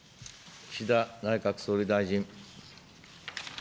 岸田内閣総理大臣。